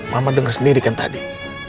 mama dengar sendiri kan tadi